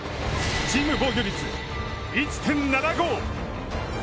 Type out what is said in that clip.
チーム防御率１．７５。